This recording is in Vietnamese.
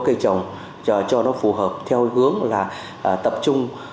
cây trồng cho nó phù hợp theo hướng là tập trung